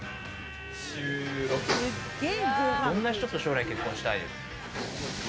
どんな人と将来結婚したい？